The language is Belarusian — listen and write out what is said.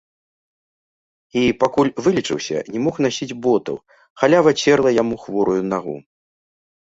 І пакуль вылечыўся, не мог насіць ботаў, халява церла яму хворую нагу.